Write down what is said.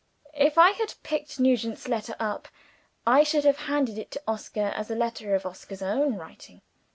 If I had picked Nugent's letter up, I should have handed it to Oscar as a letter of Oscar's own writing.